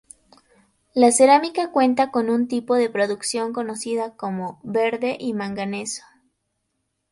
La cerámica cuenta con un tipo de producción conocida como "verde y manganeso".